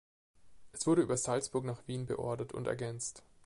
Es wurde über Salzburg nach Wien beordert und ergänzt.